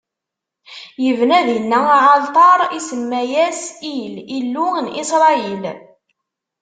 Ibna dinna aɛalṭar, isemma-as Il, Illu n Isṛayil.